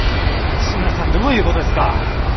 西村さんどういうことですか！？